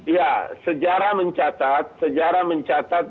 ya sejarah mencatat